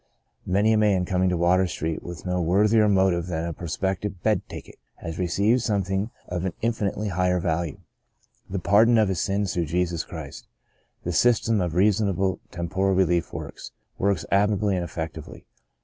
Many a man coming to Water Street with no worthier motive than a prospective bed ticket has received something of an infinitely higher value — the pardon of his sins through Jesus Christ. The system of rea sonable temporal relief works — works ad mirably and effectively.